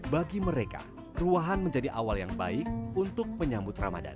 bagi mereka ruahan menjadi awal yang baik untuk menyambut ramadan